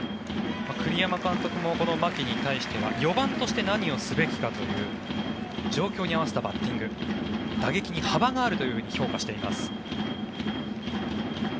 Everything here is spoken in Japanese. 栗山監督もこの牧に対しては４番として何をすべきかという状況に合わせたバッティング打撃に幅があると評価しています。